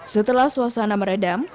setelah suasana meredam